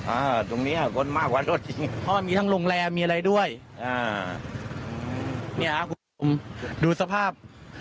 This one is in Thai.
อ่าตรงนี้ฮะคนมากกว่ารถจะเพราะมีทั้งโรงแรมีอะไรด้วยอย่างนี้ครับกลุ่มดูสภาพ